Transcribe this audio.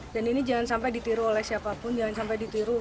dan ini jangan sampai ditiru oleh siapapun jangan sampai ditiru